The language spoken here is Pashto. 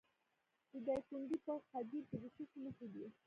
د دایکنډي په خدیر کې د څه شي نښې دي؟